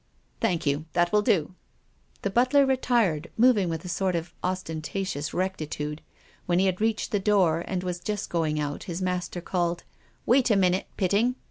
" Thank you. That will do." The butler retired, moving with a sort of osten tatious rectitude. When he had reached the door, and was just going out, his master called, " Wait a minute, Pitting."